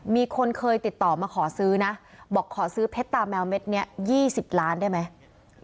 มีคนเคยติดต่อมาขอซื้อนะบอกขอซื้อเพชรตาแมวเม็ดนี้๒๐ล้านได้ไหม